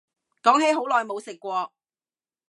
講起好耐冇食過